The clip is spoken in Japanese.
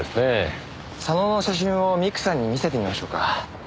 佐野の写真を美久さんに見せてみましょうか？